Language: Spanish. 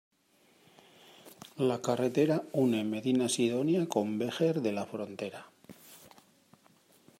La carretera une Medina Sidonia con Vejer de la Frontera.